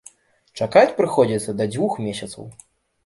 Чакаць прыходзіцца да двух месяцаў.